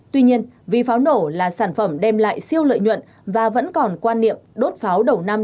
tuy nhiên vì pháo nổ là sản phẩm đem lại siêu lợi nhuận và vẫn còn quan niệm đốt pháo đầu năm